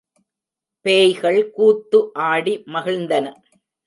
பேய்கள் கூத்து ஆடி மகிழ்ந்தன.